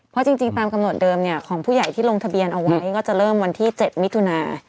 เพราะจริงตามกำหนดเดิมของผู้ใหญ่ที่ลงทะเบียนเอาไว้ก็จะเริ่มวันที่๗มิถุนา